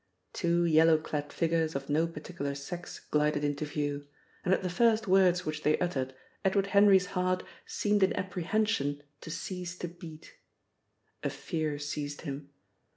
Two yellow clad figures of no particular sex glided into view, and at the first words which they uttered Edward Henry's heart seemed in apprehension to cease to beat. A fear seized him.